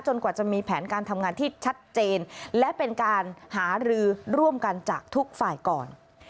กว่าจะมีแผนการทำงานที่ชัดเจนและเป็นการหารือร่วมกันจากทุกฝ่ายก่อน